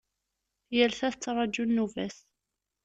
Yal ta tettraǧu nnuba-s.